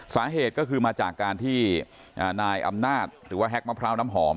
สาเหตุก็คือมาจากการที่นายอำนาจหรือว่าแก๊กมะพร้าวน้ำหอม